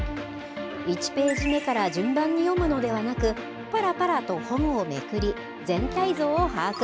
１ページ目から順番に読むのではなく、ぱらぱらと本をめくり、全体像を把握。